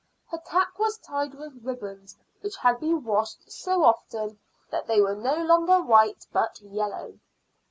Her cap was tied with ribbons which had been washed so often that they were no longer white, but yellow.